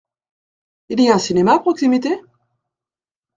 Il y a un cinéma à proximité ?